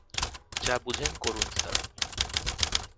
যা বুঝেন করুন, স্যার।